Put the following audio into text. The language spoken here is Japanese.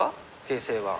形勢は。